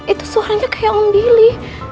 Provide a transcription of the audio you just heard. itu suaranya kayak om billy